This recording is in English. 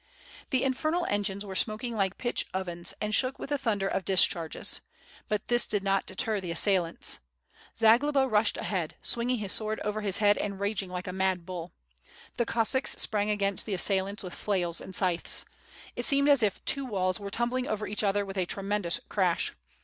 The infernal engines were smoking like pitch ovens, and shook with tlie thunder of discharges. But this did not deter the assailants. Zagloba rushed ahead, swinging his sword over his head and raging like a mad bull. The Cossacks sprang against the assailants with flails and scythes. It seemed as if two walls were tumbling over each other with a tremendous crash.